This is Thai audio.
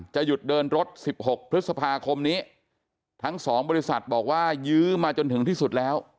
หยุดเดินรถสิบหกพฤษภาคมนี้ทั้งสองบริษัทบอกว่ายื้อมาจนถึงที่สุดแล้ว